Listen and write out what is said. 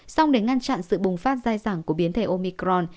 xong để ngăn chặn sự bùng phát dai dẳng của biến thể omicron